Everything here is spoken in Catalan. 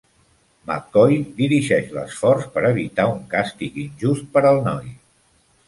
McCoy dirigeix l'esforç per evitar un càstig injust per al noi.